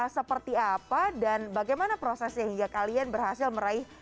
seperti apa dan bagaimana prosesnya hingga kalian berhasil meraih